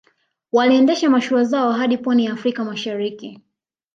Waliendesha mashua zao hadi Pwani ya Afrika Mashariki